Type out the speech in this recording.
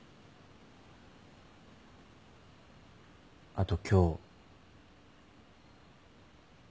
あと今日。